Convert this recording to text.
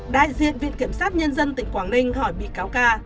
đại diện viện kiểm sát nhân dân tỉnh quảng ninh hỏi bị cáo ca